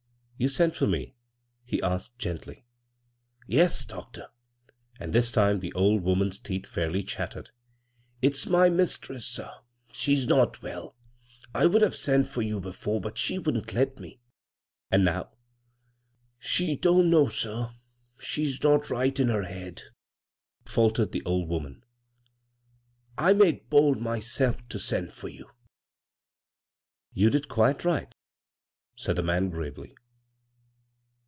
" You sent for me ?" he asked gently. "Yes, doctor," and this time the old vmnan's teeth fairly diattered. "Its my mistress, sir. She's not welL I would have sent for you before, bat she wouldn't let me." " And now ?"" SIk don't know, ^. She's not right in her head," faltered the old woman. " I made bold myself to send for you." "You did quite right," sMd the man, gravely.